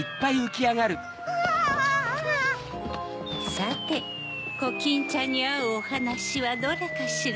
さてコキンちゃんにあうおはなしはどれかしら？